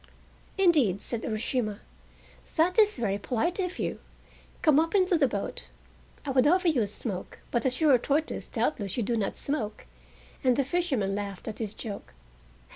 "Indeed," said Urashima, "that is very polite of you. Come up into the boat. I would offer you a smoke, but as you are a tortoise doubtless you do not smoke," and the fisherman laughed at the joke.